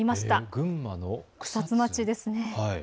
群馬の草津町です。